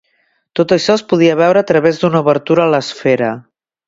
Tot això es podia veure a través d'una obertura a l'esfera.